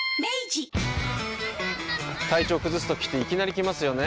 体調崩すときっていきなり来ますよね。